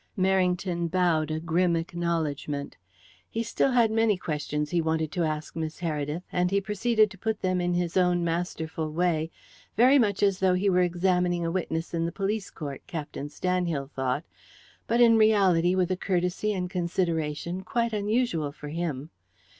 Merrington bowed a grim acknowledgment. He had still many questions he wanted to ask Miss Heredith, and he proceeded to put them in his own masterful way, very much as though he were examining a witness in the police court, Captain Stanhill thought, but in reality with a courtesy and consideration quite unusual for him.